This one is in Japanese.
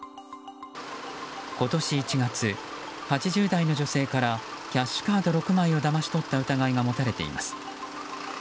今年１月、８０代の女性からキャッシュカード６枚をだまし取った疑いが持たれています。